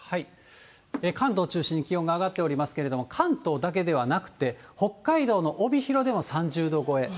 関東を中心に気温が上がっておりますけれども、関東だけではなくて、北海道の帯広でも３０度超え。